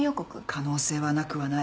可能性はなくはない。